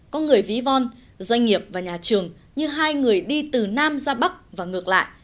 có người ví von doanh nghiệp và nhà trường như hai người đi từ nam ra bắc và ngược lại